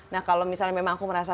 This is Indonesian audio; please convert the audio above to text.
nah kalau misalnya memang aku merasa